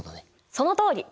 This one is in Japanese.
そのとおり！